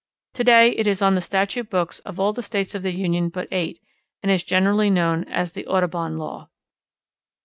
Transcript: To day it is on the statute books of all the States of the Union but eight, and is generally known as the Audubon Law.